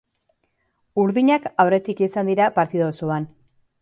Urdinak aurretik izan dira partida osoan.